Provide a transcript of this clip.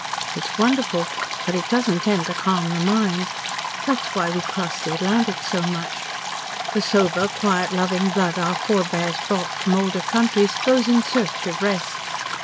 It is wonderful, but it does not tend to calm the mind. That is why we cross the Atlantic so much. The sober, quiet loving blood our forbears brought from older countries goes in search of rest.